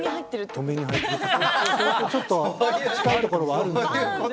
それとちょっと近いところはあるんですかね？